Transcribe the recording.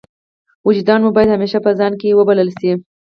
وجدان مو باید همېشه په ځان کښي وبلل سي.